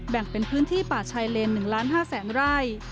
แบ่งเป็นพื้นที่ป่าชัยเลน๑๕๐๐๐๐๐ไร่